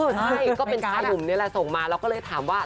ใช่ก็เป็นชายหนุ่มนี่แหละส่งมาเราก็เลยถามว่า